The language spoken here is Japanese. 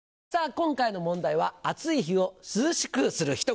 今回の問題は暑い日を涼しくする一言。